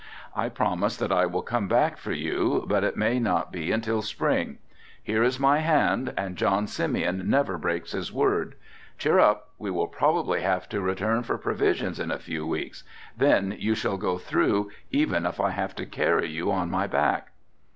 I promise that I will come back for you, but it may not be until Spring. Here is my hand and John Simeon never breaks his word. Cheer up, we will probably have to return for provisions in a few weeks. Then you shall go through, even if I have to carry you on my back."